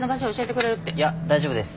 いや大丈夫です。